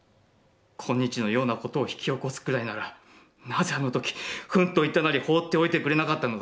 今日の様な事を引き起すくらいなら、何故あの時、ふんといったなり放って置いてくれなかったのだ」。